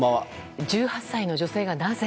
１８歳の女性が、なぜ。